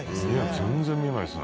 全然見えないですね